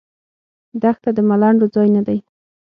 دښته د ملنډو ځای نه دی.